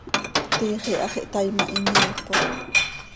Tiix iihax ihtaai ma, hin yaaipot.